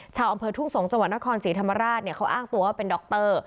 ชาวอำเภอทุ่งสงศ์จังหวัดนครศรีธรรมราชเขาอ้างตัวว่าเป็นดร